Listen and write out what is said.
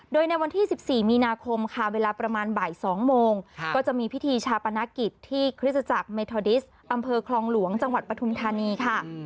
โดยในวันที่๑๔มีนาคมค่ะเวลาประมาณบ่าย๒โมงก็จะมีพิธีชาปนกิจที่คริสตจักรเมทอดิสอำเภอคลองหลวงจังหวัดปฐุมธานีค่ะ